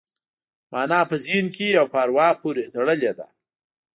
مانا په ذهن کې وي او په اروا پورې تړلې ده